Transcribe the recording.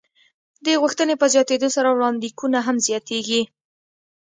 د غوښتنې په زیاتېدو سره وړاندېکونه هم زیاتېږي.